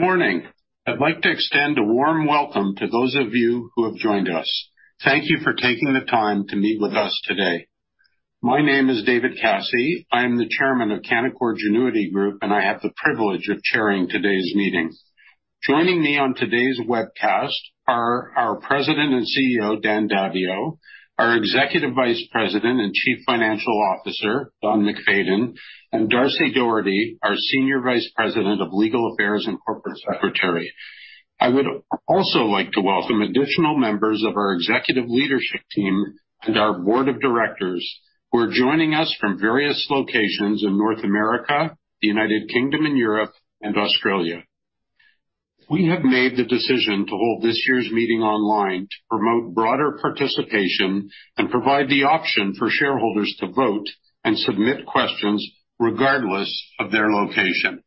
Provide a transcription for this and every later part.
Good morning. I'd like to extend a warm welcome to those of you who have joined us. Thank you for taking the time to meet with us today. My name is David Kassie. I am the Chairman of Canaccord Genuity Group, and I have the privilege of chairing today's meeting. Joining me on today's webcast are our President and Chief Executive Officer, Dan Daviau, our Executive Vice President and Chief Financial Officer, Don MacFadyen, and D'Arcy Doherty, our Senior Vice President of Legal Affairs and Corporate Secretary. I would also like to welcome additional members of our executive leadership team and our Board of Directors who are joining us from various locations in North America, the United Kingdom and Europe, and Australia. We have made the decision to hold this year's meeting online to promote broader participation and provide the option for shareholders to vote and submit questions regardless of their location.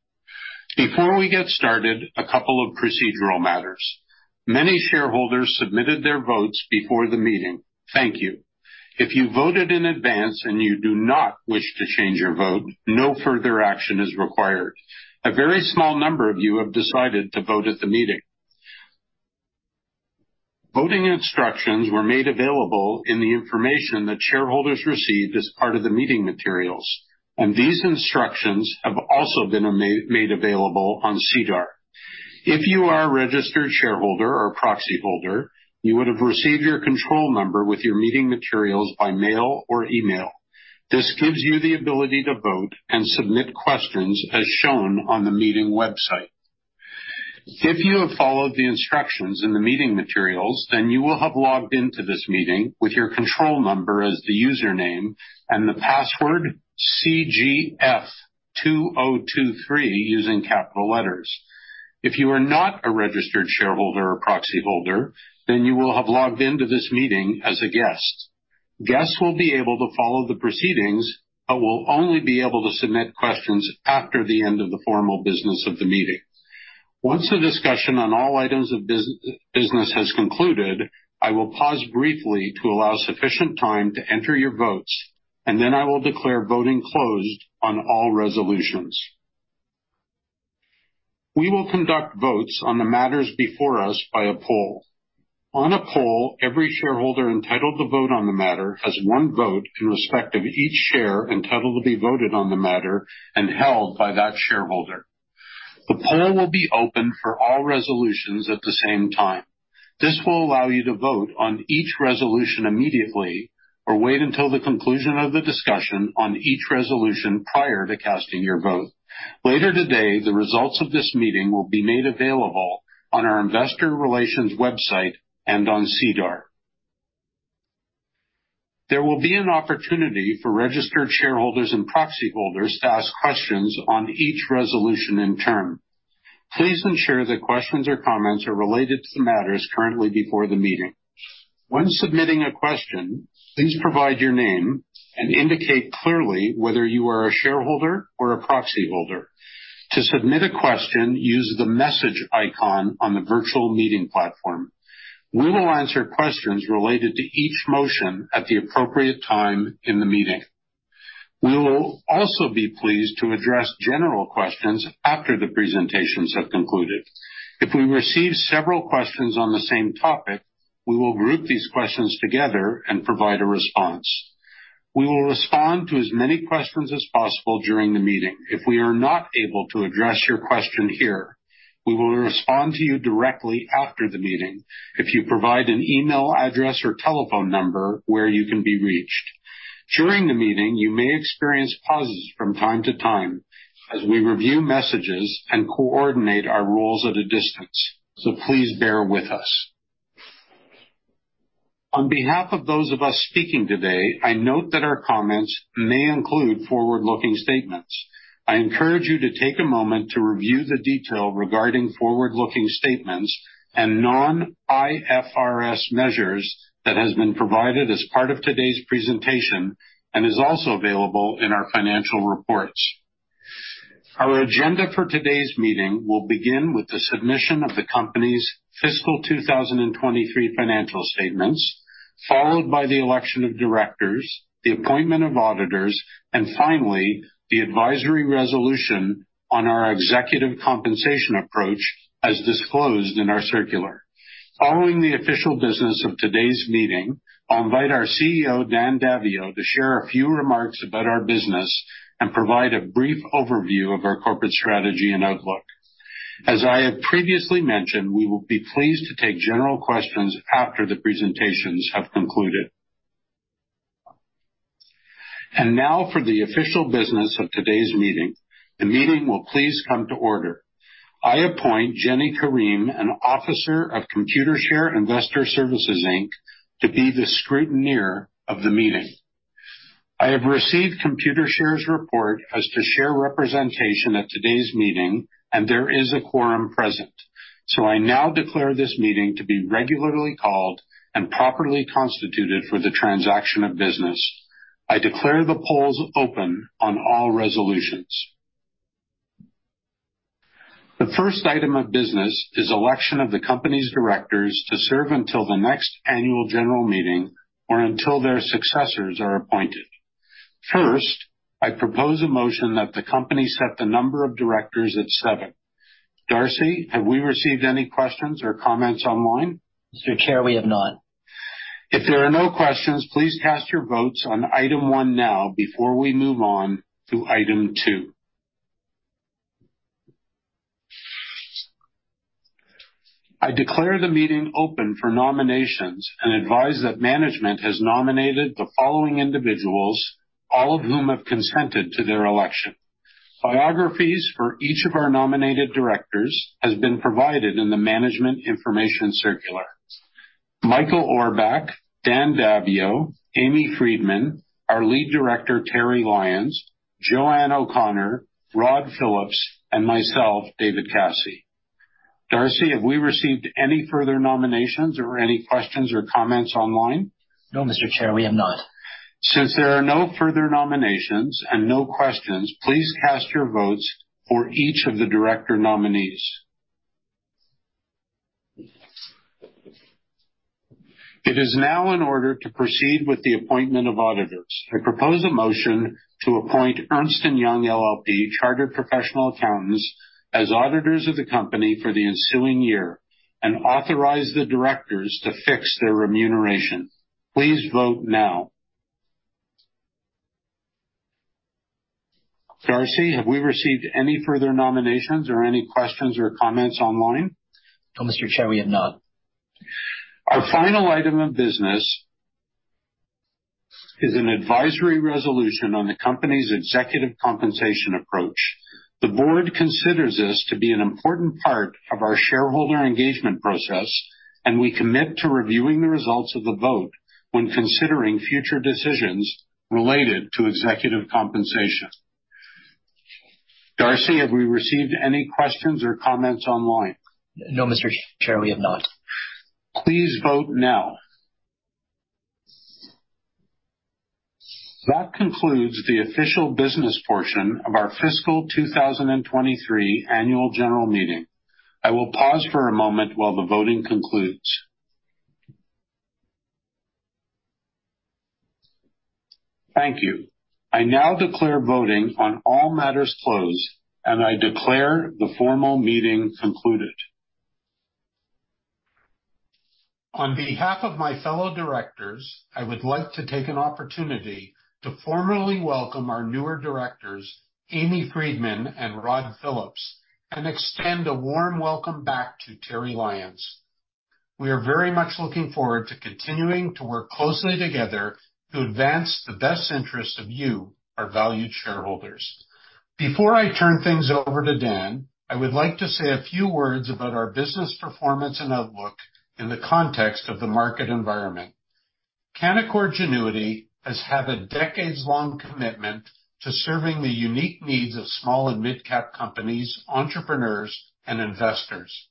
Before we get started, a couple of procedural matters. Many shareholders submitted their votes before the meeting. Thank you. If you voted in advance and you do not wish to change your vote, no further action is required. A very small number of you have decided to vote at the meeting. Voting instructions were made available in the information that shareholders received as part of the meeting materials, and these instructions have also been made available on SEDAR. If you are a registered shareholder or proxy holder, you would have received your control number with your meeting materials by mail or email. This gives you the ability to vote and submit questions as shown on the meeting website. If you have followed the instructions in the meeting materials, then you will have logged into this meeting with your control number as the username and the password CGF 2023 using capital letters. If you are not a registered shareholder or proxy holder, then you will have logged into this meeting as a guest. Guests will be able to follow the proceedings but will only be able to submit questions after the end of the formal business of the meeting. Once the discussion on all items of business has concluded, I will pause briefly to allow sufficient time to enter your votes, and then I will declare voting closed on all resolutions. We will conduct votes on the matters before us by a poll. On a poll, every shareholder entitled to vote on the matter has one vote in respect of each share entitled to be voted on the matter and held by that shareholder. The poll will be open for all resolutions at the same time. This will allow you to vote on each resolution immediately or wait until the conclusion of the discussion on each resolution prior to casting your vote. Later today, the results of this meeting will be made available on our investor relations website and on SEDAR. There will be an opportunity for registered shareholders and proxy holders to ask questions on each resolution in turn. Please ensure that questions or comments are related to the matters currently before the meeting. When submitting a question, please provide your name and indicate clearly whether you are a shareholder or a proxy holder. To submit a question, use the message icon on the virtual meeting platform. We will answer questions related to each motion at the appropriate time in the meeting. We will also be pleased to address general questions after the presentations have concluded. If we receive several questions on the same topic, we will group these questions together and provide a response. We will respond to as many questions as possible during the meeting. If we are not able to address your question here, we will respond to you directly after the meeting if you provide an email address or telephone number where you can be reached. During the meeting, you may experience pauses from time to time as we review messages and coordinate our roles at a distance, so please bear with us. On behalf of those of us speaking today, I note that our comments may include forward-looking statements. I encourage you to take a moment to review the detail regarding forward-looking statements and non-IFRS measures that has been provided as part of today's presentation and is also available in our financial reports. Our agenda for today's meeting will begin with the submission of the company's fiscal 2023 financial statements, followed by the election of directors, the appointment of auditors, and finally, the advisory resolution on our executive compensation approach as disclosed in our circular. Following the official business of today's meeting, I'll invite our CEO, Dan Daviau, to share a few remarks about our business and provide a brief overview of our corporate strategy and outlook. As I have previously mentioned, we will be pleased to take general questions after the presentations have concluded. Now for the official business of today's meeting. The meeting will please come to order. I appoint Jenny Karim, an officer of Computershare Investor Services Inc., to be the scrutineer of the meeting. I have received Computershare's report as to share representation at today's meeting, and there is a quorum present. I now declare this meeting to be regularly called and properly constituted for the transaction of business. I declare the polls open on all resolutions. The first item of business is election of the company's directors to serve until the next annual general meeting or until their successors are appointed. First, I propose a motion that the company set the number of directors at seven. D'Arcy, have we received any questions or comments online? Mr. Chair, we have not. If there are no questions, please cast your votes on Item 1 now before we move on to Item 2. I declare the meeting open for nominations and advise that management has nominated the following individuals, all of whom have consented to their election. Biographies for each of our nominated directors has been provided in the management information circular. Michael Auerbach, Dan Daviau, Amy Freedman, our Lead Director, Terry Lyons, Jo-Anne O'Connor, Rod Phillips, and myself, David Kassie. D'Arcy, have we received any further nominations or any questions or comments online? No, Mr. Chair, we have not. Since there are no further nominations and no questions, please cast your votes for each of the director nominees. It is now in order to proceed with the appointment of auditors. I propose a motion to appoint Ernst & Young LLP, Chartered Professional Accountants, as auditors of the company for the ensuing year and authorize the directors to fix their remuneration. Please vote now. D'Arcy, have we received any further nominations or any questions or comments online? No, Mr. Chair, we have not. Our final item of business is an advisory resolution on the company's executive compensation approach. The board considers this to be an important part of our shareholder engagement process, and we commit to reviewing the results of the vote when considering future decisions related to executive compensation. D'Arcy, have we received any questions or comments online? No, Mr. Chair, we have not. Please vote now. That concludes the official business portion of our fiscal 2023 annual general meeting. I will pause for a moment while the voting concludes. Thank you. I now declare voting on all matters closed, and I declare the formal meeting concluded. On behalf of my fellow directors, I would like to take an opportunity to formally welcome our newer directors, Amy Freedman and Rod Phillips, and extend a warm welcome back to Terry Lyons. We are very much looking forward to continuing to work closely together to advance the best interest of you, our valued shareholders. Before I turn things over to Dan, I would like to say a few words about our business performance and outlook in the context of the market environment. Canaccord Genuity has had a decades-long commitment to serving the unique needs of small and mid-cap companies, entrepreneurs, and investors.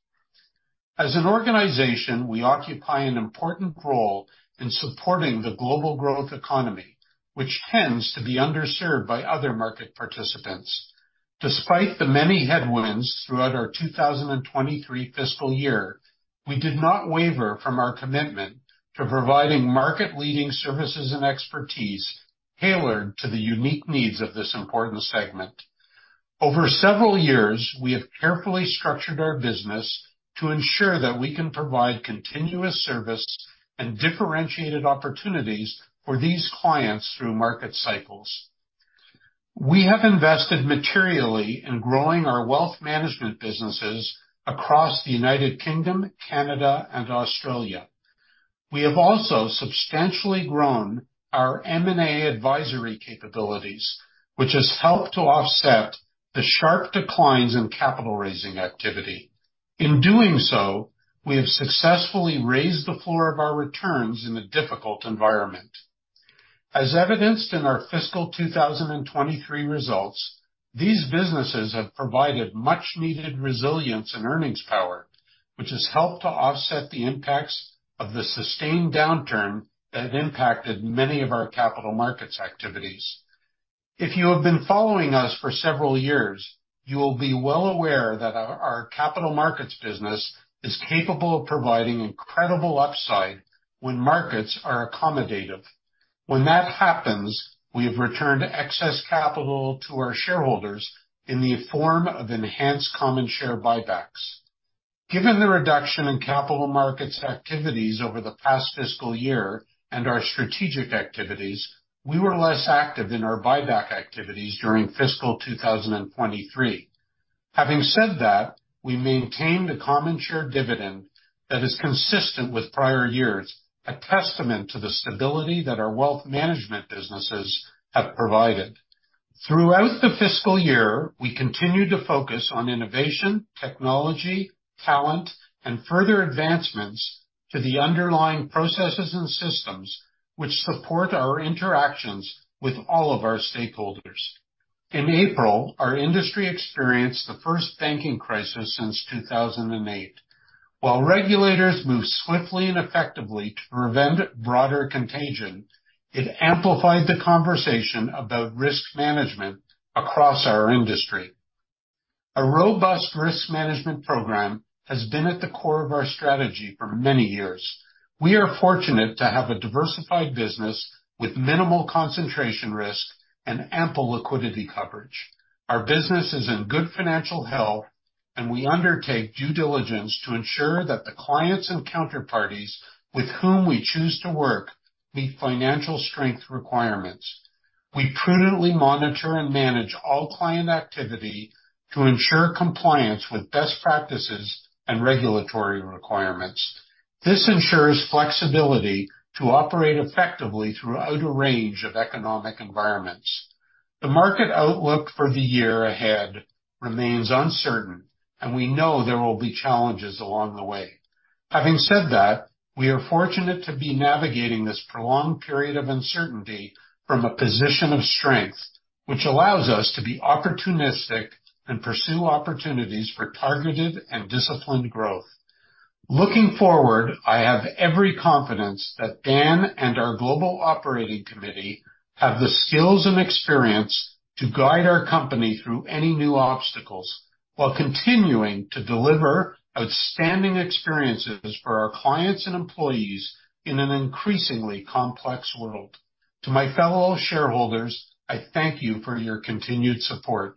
As an organization, we occupy an important role in supporting the global growth economy, which tends to be underserved by other market participants. Despite the many headwinds throughout our 2023 fiscal year, we did not waver from our commitment to providing market leading services and expertise tailored to the unique needs of this important segment. Over several years, we have carefully structured our business to ensure that we can provide continuous service and differentiated opportunities for these clients through market cycles. We have invested materially in growing our wealth management businesses across the United Kingdom, Canada, and Australia. We have also substantially grown our M&A advisory capabilities, which has helped to offset the sharp declines in capital raising activity. In doing so, we have successfully raised the floor of our returns in a difficult environment. As evidenced in our fiscal 2023 results, these businesses have provided much needed resilience and earnings power, which has helped to offset the impacts of the sustained downturn that have impacted many of our capital markets activities. If you have been following us for several years, you will be well aware that our capital markets business is capable of providing incredible upside when markets are accommodative. When that happens, we have returned excess capital to our shareholders in the form of enhanced common share buybacks. Given the reduction in capital markets activities over the past fiscal year and our strategic activities, we were less active in our buyback activities during fiscal 2023. Having said that, we maintained a common share dividend that is consistent with prior years, a testament to the stability that our wealth management businesses have provided. Throughout the fiscal year, we continued to focus on innovation, technology, talent, and further advancements to the underlying processes and systems which support our interactions with all of our stakeholders. In April, our industry experienced the first banking crisis since 2008. While regulators moved swiftly and effectively to prevent broader contagion, it amplified the conversation about risk management across our industry. A robust risk management program has been at the core of our strategy for many years. We are fortunate to have a diversified business with minimal concentration risk and ample liquidity coverage. Our business is in good financial health, and we undertake due diligence to ensure that the clients and counterparties with whom we choose to work meet financial strength requirements. We prudently monitor and manage all client activity to ensure compliance with best practices and regulatory requirements. This ensures flexibility to operate effectively throughout a range of economic environments. The market outlook for the year ahead remains uncertain, and we know there will be challenges along the way. Having said that, we are fortunate to be navigating this prolonged period of uncertainty from a position of strength, which allows us to be opportunistic and pursue opportunities for targeted and disciplined growth. Looking forward, I have every confidence that Dan and our global operating committee have the skills and experience to guide our company through any new obstacles while continuing to deliver outstanding experiences for our clients and employees in an increasingly complex world. To my fellow shareholders, I thank you for your continued support.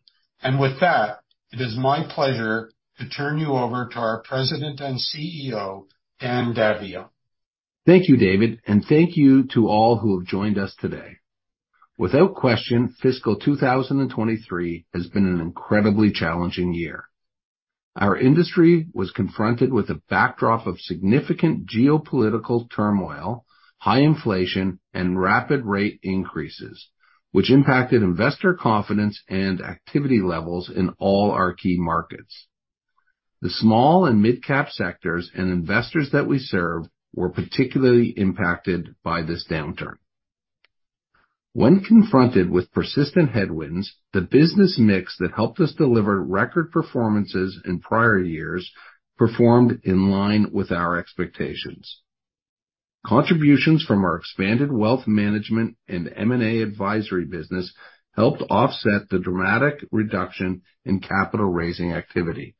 With that, it is my pleasure to turn you over to our President and CEO, Dan Daviau. Thank you, David, and thank you to all who have joined us today. Without question, fiscal 2023 has been an incredibly challenging year. Our industry was confronted with a backdrop of significant geopolitical turmoil, high inflation, and rapid rate increases, which impacted investor confidence and activity levels in all our key markets. The small and midcap sectors and investors that we serve were particularly impacted by this downturn. When confronted with persistent headwinds, the business mix that helped us deliver record performances in prior years performed in line with our expectations. Contributions from our expanded wealth management and M&A advisory business helped offset the dramatic reduction in capital raising activity.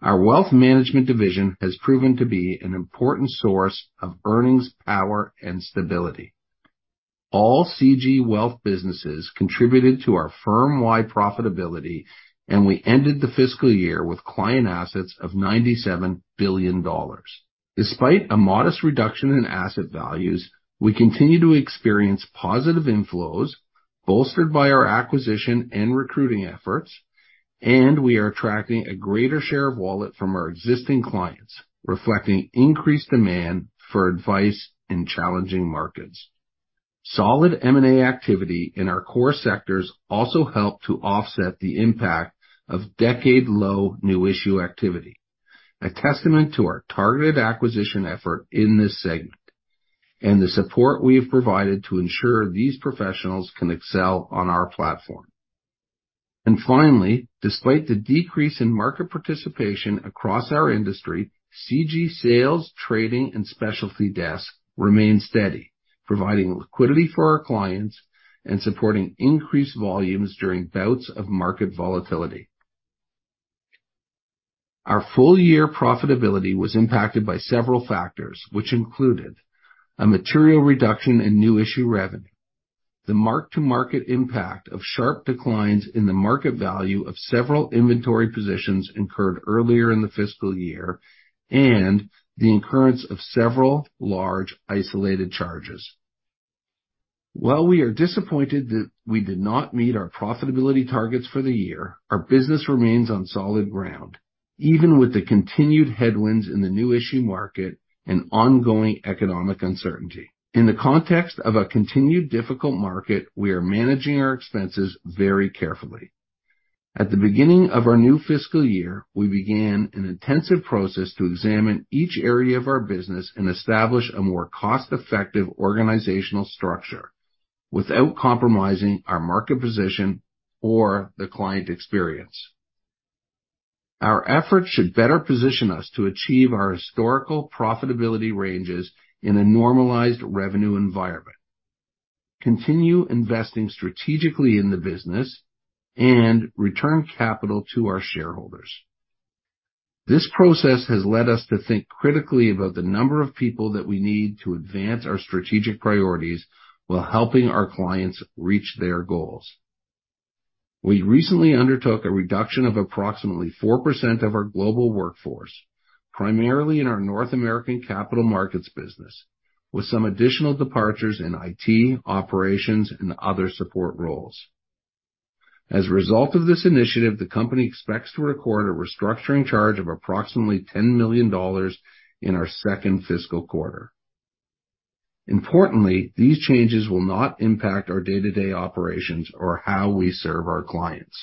Our wealth management division has proven to be an important source of earnings power and stability. All CG wealth businesses contributed to our firm-wide profitability, and we ended the fiscal year with client assets of 97 billion dollars. Despite a modest reduction in asset values, we continue to experience positive inflows bolstered by our acquisition and recruiting efforts, and we are attracting a greater share of wallet from our existing clients, reflecting increased demand for advice in challenging markets. Solid M&A activity in our core sectors also helped to offset the impact of decade-low new issue activity, a testament to our targeted acquisition effort in this segment, and the support we have provided to ensure these professionals can excel on our platform. Finally, despite the decrease in market participation across our industry, CG sales, trading, and specialty desk remained steady, providing liquidity for our clients and supporting increased volumes during bouts of market volatility. Our full year profitability was impacted by several factors, which included a material reduction in new issue revenue, the mark-to-market impact of sharp declines in the market value of several inventory positions incurred earlier in the fiscal year, and the incurrence of several large isolated charges. While we are disappointed that we did not meet our profitability targets for the year, our business remains on solid ground, even with the continued headwinds in the new issue market and ongoing economic uncertainty. In the context of a continued difficult market, we are managing our expenses very carefully. At the beginning of our new fiscal year, we began an intensive process to examine each area of our business and establish a more cost-effective organizational structure without compromising our market position or the client experience. Our efforts should better position us to achieve our historical profitability ranges in a normalized revenue environment, continue investing strategically in the business, and return capital to our shareholders. This process has led us to think critically about the number of people that we need to advance our strategic priorities while helping our clients reach their goals. We recently undertook a reduction of approximately 4% of our global workforce, primarily in our North American capital markets business, with some additional departures in IT, operations, and other support roles. As a result of this initiative, the company expects to record a restructuring charge of approximately 10 million dollars in our second fiscal quarter. Importantly, these changes will not impact our day-to-day operations or how we serve our clients.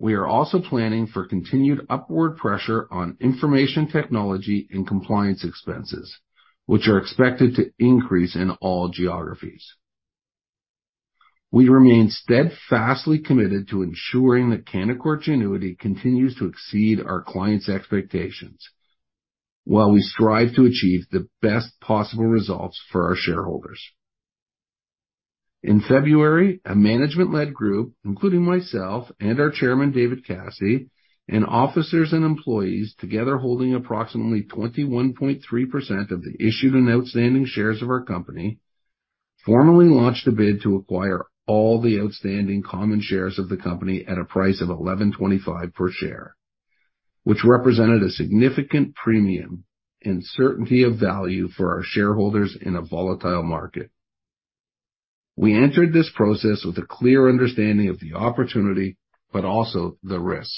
We are also planning for continued upward pressure on information technology and compliance expenses, which are expected to increase in all geographies. We remain steadfastly committed to ensuring that Canaccord Genuity continues to exceed our clients' expectations while we strive to achieve the best possible results for our shareholders. In February, a management-led group, including myself and our Chairman, David Kassie, and officers and employees together holding approximately 21.3% of the issued and outstanding shares of our company, formally launched a bid to acquire all the outstanding common shares of the company at a price of 11.25 per share, which represented a significant premium and certainty of value for our shareholders in a volatile market. We entered this process with a clear understanding of the opportunity, but also the risk.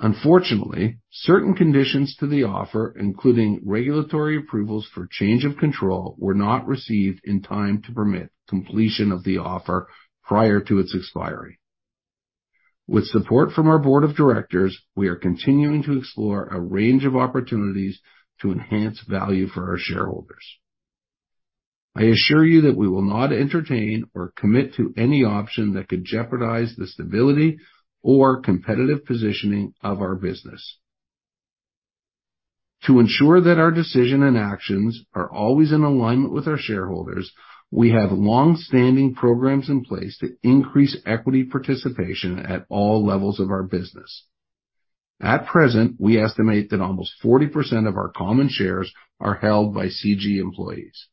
Unfortunately, certain conditions to the offer, including regulatory approvals for change of control, were not received in time to permit completion of the offer prior to its expiry. With support from our board of directors, we are continuing to explore a range of opportunities to enhance value for our shareholders. I assure you that we will not entertain or commit to any option that could jeopardize the stability or competitive positioning of our business. To ensure that our decision and actions are always in alignment with our shareholders, we have long-standing programs in place to increase equity participation at all levels of our business. At present, we estimate that almost 40% of our common shares are held by CG employees.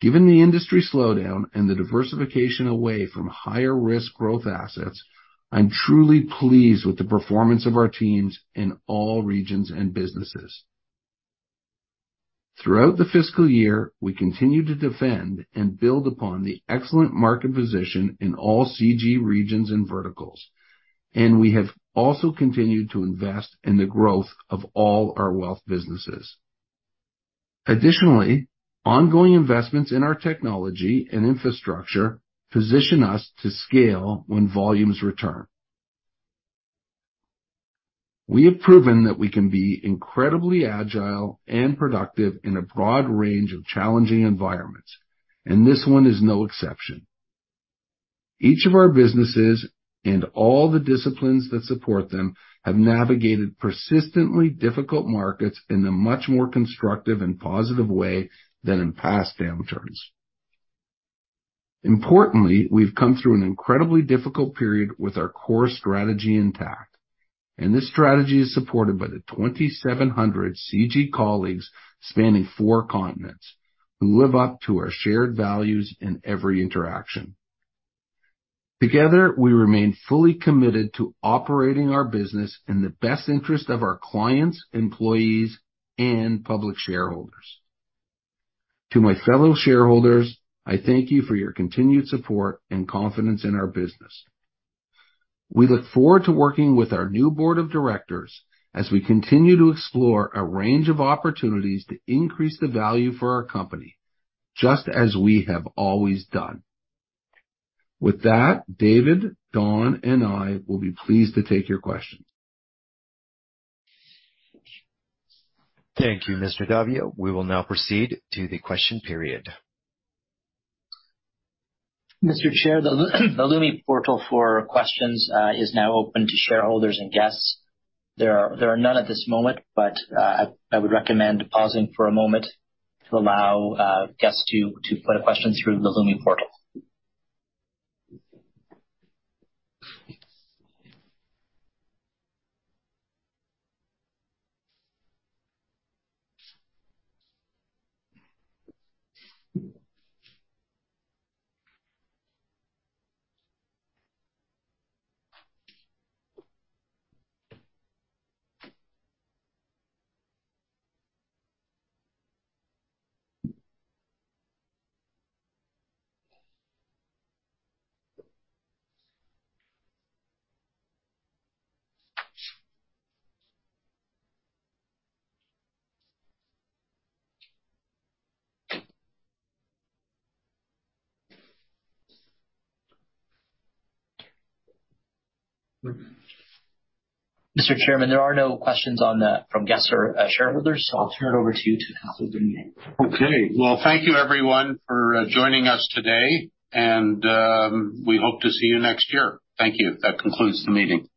Given the industry slowdown and the diversification away from higher risk growth assets, I'm truly pleased with the performance of our teams in all regions and businesses. Throughout the fiscal year, we continued to defend and build upon the excellent market position in all CG regions and verticals, and we have also continued to invest in the growth of all our wealth businesses. Additionally, ongoing investments in our technology and infrastructure position us to scale when volumes return. We have proven that we can be incredibly agile and productive in a broad range of challenging environments, and this one is no exception. Each of our businesses and all the disciplines that support them have navigated persistently difficult markets in a much more constructive and positive way than in past downturns. Importantly, we've come through an incredibly difficult period with our core strategy intact, and this strategy is supported by the 2,700 CG colleagues spanning four continents who live up to our shared values in every interaction. Together, we remain fully committed to operating our business in the best interest of our clients, employees, and public shareholders. To my fellow shareholders, I thank you for your continued support and confidence in our business. We look forward to working with our new board of directors as we continue to explore a range of opportunities to increase the value for our company, just as we have always done. With that, David, Don, and I will be pleased to take your questions. Thank you, Mr. Daviau. We will now proceed to the question period. Mr. Chair, the Lumi portal for questions is now open to shareholders and guests. There are none at this moment, but I would recommend pausing for a moment to allow guests to put a question through the Lumi portal. Mr. Chairman, there are no questions from guests or shareholders, I'll turn it over to you to close the meeting. Okay. Well, thank you everyone for joining us today. We hope to see you next year. Thank you. That concludes the meeting.